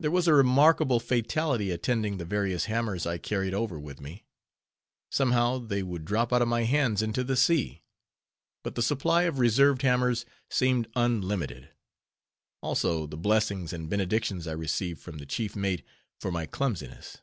There was a remarkable fatality attending the various hammers I carried over with me. Somehow they would drop out of my hands into the sea. But the supply of reserved hammers seemed unlimited: also the blessings and benedictions I received from the chief mate for my clumsiness.